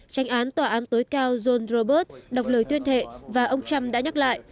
tranh án tòa án tối cao john roberg đọc lời tuyên thệ và ông trump đã nhắc lại